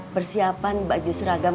persiapan baju seragam